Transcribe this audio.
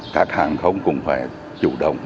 các hàng không cũng phải chủ động